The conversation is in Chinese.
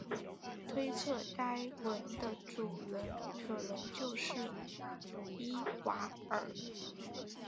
推测该坟的主人可能就是伊瓦尔。